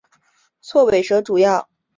锉尾蛇主要分布于南印度及斯里兰卡。